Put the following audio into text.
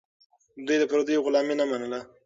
دوی د پردیو غلامي نه منله.